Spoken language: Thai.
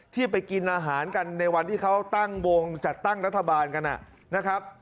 ที่ไปกินอาหารกันในวันที่เขาตั้งวงจัดตั้งรัฐบาลกันนะครับ